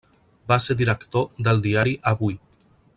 Va ser director del diari Avui.